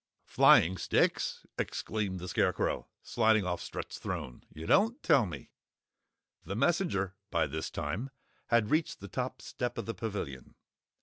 "Flying sticks?" exclaimed the Scarecrow, sliding off Strut's throne. "You don't tell me?" The messenger, by this time had reached the top step of the Pavilion.